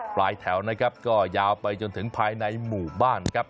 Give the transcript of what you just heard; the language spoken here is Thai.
ปลายแถวนะครับก็ยาวไปจนถึงภายในหมู่บ้านนะครับ